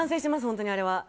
本当にあれは。